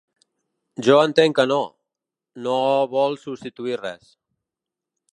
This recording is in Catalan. Jo entenc que no, no vol substituir res.